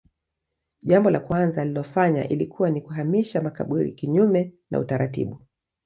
Jambo la kwanza alilolifanya ilikuwa ni kuhamisha makaburi kinyume na utaratibu